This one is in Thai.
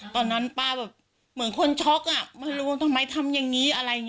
ตอนนั้นป้าแบบเหมือนคนช็อกอะไม่รู้ทำไมทำอย่างนี้